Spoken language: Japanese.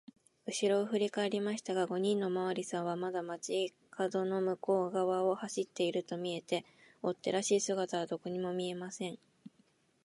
うしろをふりかえりましたが、五人のおまわりさんはまだ町かどの向こうがわを走っているとみえて、追っ手らしい姿はどこにも見えません。